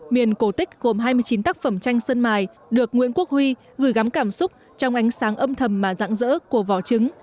miền cổ tích gồm hai mươi chín tác phẩm tranh sơn mài được nguyễn quốc huy gửi gắm cảm xúc trong ánh sáng âm thầm mà dạng dỡ của vỏ trứng